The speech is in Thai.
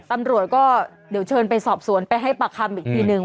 ตำรวจก็เดี๋ยวเชิญไปสอบสวนไปให้ปากคำอีกทีนึง